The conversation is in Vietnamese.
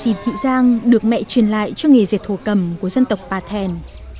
chịt thị giang được mẹ truyền lại cho nghề dệt thổ cầm của dân tộc bà thèn